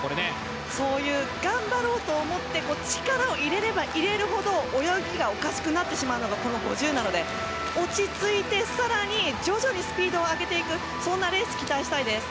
そういう頑張ろうと思って力を入れれば入れるほど泳ぎがおかしくなってしまうのがこの５０ｍなので落ち着いて、更に徐々にスピードを上げていくそんなレースを期待したいです。